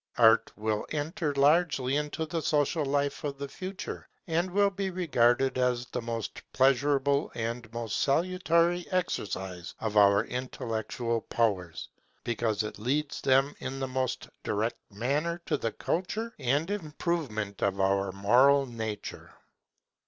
Art will enter largely into the social life of the Future, and will be regarded as the most pleasurable and most salutary exercise of our intellectual powers, because it leads them in the most direct manner to the culture and improvement of our moral nature.